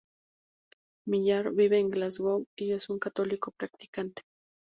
Millar vive en Glasgow y es un católico practicante.